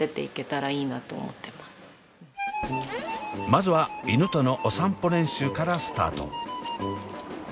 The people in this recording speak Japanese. まずは犬とのお散歩練習からスタート。